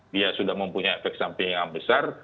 dia sudah mempunyai efek samping yang besar